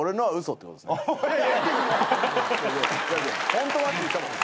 「本当は」って言ったもん。